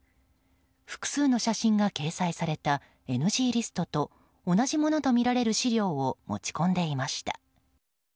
複数の写真が掲載されたＮＧリストと同じものとみられる資料を持ち込んでいました。